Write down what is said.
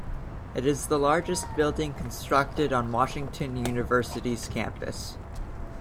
It is the largest building constructed on Washington University's campus.